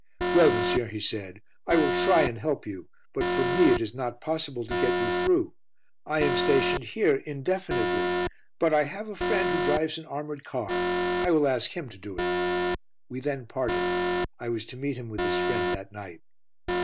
"Well, monsieur," he said, "I will try and help you, but for me it is not possible to get you through. I am stationed here indefinitely, but I have a friend who drives an armoured car. I will ask him to do it." We then parted; I was to meet him with his friend that night.